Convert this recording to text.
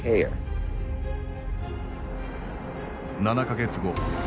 ７か月後。